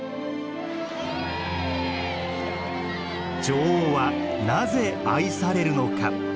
女王はなぜ愛されるのか。